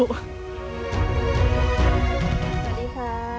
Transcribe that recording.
สวัสดีค่ะ